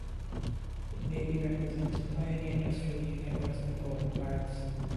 It may be represented by any industrial unit or its component parts.